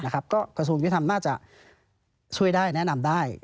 กระทรวงยุทธรรมน่าจะช่วยได้แนะนำได้